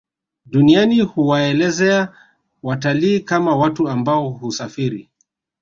Duniani huwaelezea watalii kama watu ambao husafiri